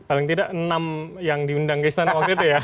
paling tidak enam yang diundang keistan waktu itu ya